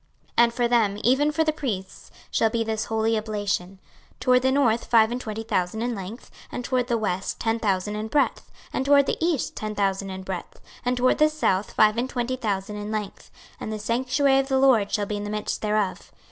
26:048:010 And for them, even for the priests, shall be this holy oblation; toward the north five and twenty thousand in length, and toward the west ten thousand in breadth, and toward the east ten thousand in breadth, and toward the south five and twenty thousand in length: and the sanctuary of the LORD shall be in the midst thereof.